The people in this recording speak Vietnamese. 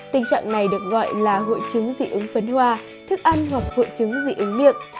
tình trạng này được gọi là hội chứng dị ứng phấn hoa thức ăn hoặc hội chứng dị ứng miệng